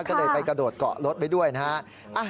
ก็เลยไปกระโดดเกาะรถไว้ด้วยนะฮะ